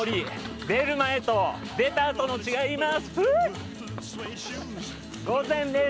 出る前と出たあとの違いを言います。